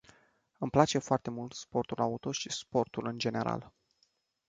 Îmi place foarte mult sportul auto și sportul în general.